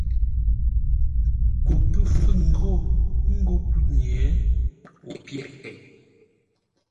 Ko pə́ fúŋ ghó ńgó kúnye, o pyéʼ kei.